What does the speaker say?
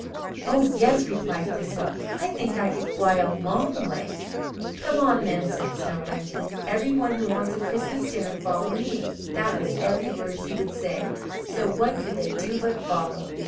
"Oh, yes," replied Thistle. "I THINK I could fly a LONG way." "Come on, then," said Snow Bunting. "Every one who wants a Christmas dinner, follow me!" That was every word he would say, so what could they do but follow?